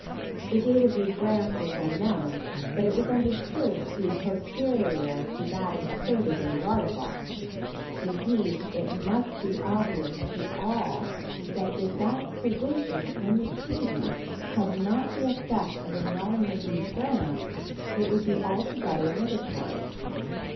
The date of these grants was unknown, but it was understood to be posterior to that inserted in the article; indeed, it must be obvious to all that if that provision in the treaty had not the effect of annulling these grants, it would be altogether nugatory.